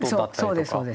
そうですそうです。